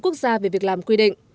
mỗi quốc gia về việc làm quy định